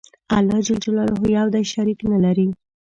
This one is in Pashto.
الله ج یو دی شریک نه لری